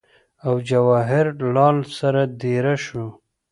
او جواهر لال سره دېره شو